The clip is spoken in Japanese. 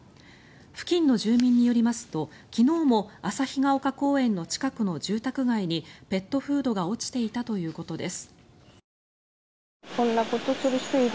付近の住民によりますと、昨日も旭岡公園の近くの住宅街にペットフードが落ちていたということです。